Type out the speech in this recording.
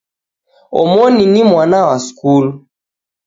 Omoni ni mwana wa skulu.